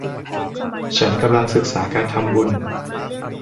ฉันกำลังศึกษาการทำบุญ